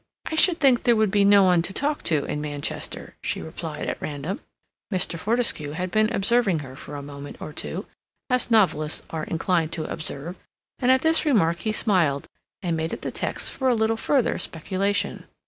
"I should think there would be no one to talk to in Manchester," she replied at random. Mr. Fortescue had been observing her for a moment or two, as novelists are inclined to observe, and at this remark he smiled, and made it the text for a little further speculation.